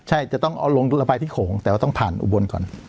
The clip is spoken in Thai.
ใช่จะต้องเอาลงระบายที่โขงแต่ว่าต้องผ่านอุบลก่อน